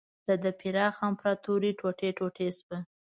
د ده پراخه امپراتوري ټوټې ټوټې شوه.